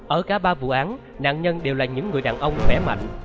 ở cả ba vụ án nạn nhân đều là những người đàn ông bé mạnh